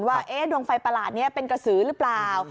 ว่าดวงไฟประหลาดนี้เป็นกระสือหรือเปล่า